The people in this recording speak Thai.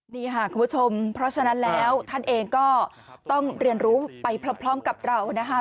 นี่ค่ะคุณผู้ชมเพราะฉะนั้นแล้วท่านเองก็ต้องเรียนรู้ไปพร้อมกับเรานะคะ